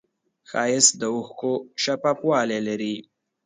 ښایست د اوښکو شفافوالی لري